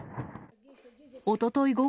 おととい